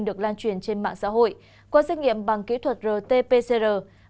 được lan truyền trên mạng xã hội qua xét nghiệm bằng kỹ thuật rt pcr